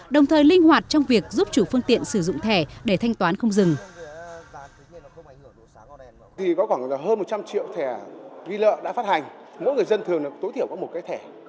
và đã phát hành mỗi người dân thường tối thiểu có một cái thẻ